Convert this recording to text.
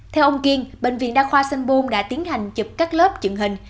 theo ông kiên bệnh viện đa khoa sanh bồn đã tiến hành chụp các lớp truyện hình